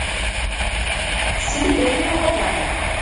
Sel-d akken iwata.